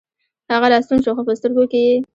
هغه راستون شو، خوپه سترګوکې یې